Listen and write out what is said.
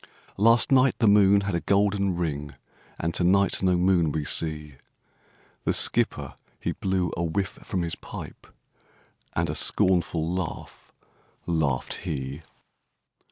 'Last night, the moon had a golden ring, And to night no moon we see!' The skipper, he blew a whiff from his pipe, And a scornful laugh laughed he.